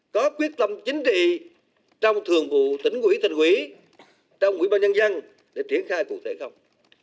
có quyết tâm chính trị trong thường vụ tỉnh quỹ thành quỹ trong quỹ ba nhân dân để triển khai cụ thể không